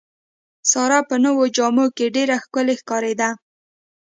ساره په نوو جامو کې ډېره ښکلې ښکارېده.